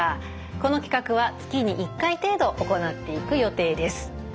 この企画は月に１回程度行っていく予定です。